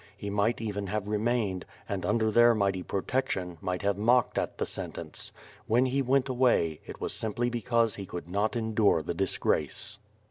He might even have remained, and under their mighty protection, might have mocked at the sentence. When he went away it was simply because he could not endure the disgrace.